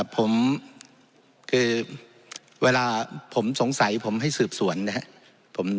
ผมคือเวลาผมสงสัยผมให้สืบสวนนะครับ